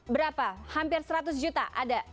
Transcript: berapa hampir seratus juta ada